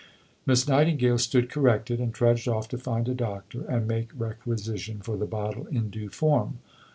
Miss Nightingale stood corrected, and trudged off to find a doctor and make requisition for the bottle in due form.